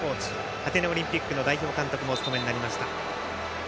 アテネオリンピックも代表監督もお務めになりました。